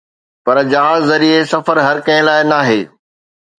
پر جهاز ذريعي سفر هر ڪنهن لاءِ ناهي.